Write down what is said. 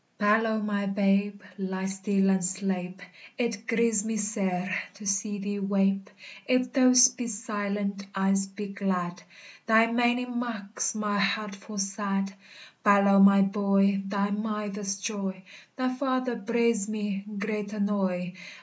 Balow, my babe, ly stil and sleipe! It grieves me sair to see thee weipe; If thoust be silent, Ise be glad, Thy maining maks my heart ful sad. Balow, my boy, thy mither's joy! Thy father breides me great annoy.